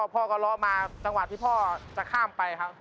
พ่อก็ล้อมาจังหวะที่พ่อจะข้ามไปครับ